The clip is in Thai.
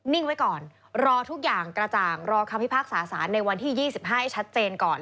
่งไว้ก่อนรอทุกอย่างกระจ่างรอคำพิพากษาสารในวันที่๒๕ให้ชัดเจนก่อน